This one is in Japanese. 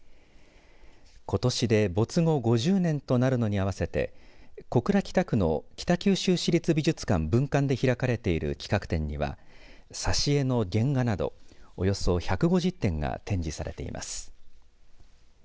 ことしで没後５０年となるのに合わせて小倉北区の北九州市立美術館分館で開かれている企画展には挿絵の原画などおよそ１５０点が展示されています。